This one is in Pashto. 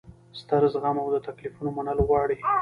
ستر زغم او د تکلیفونو منل غواړي.